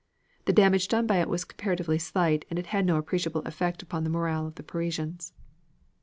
The damage done by it was comparatively slight and it had no appreciable effect upon the morale of the Parisians.